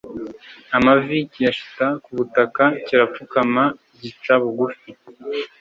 amavi kiyashita ku butaka kirapfukama, gica bugufi